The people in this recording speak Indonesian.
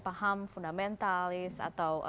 paham fundamentalis atau